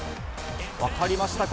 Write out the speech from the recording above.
分かりましたか？